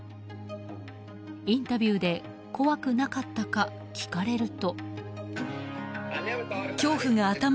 インタビューで怖くなかったか聞かれると。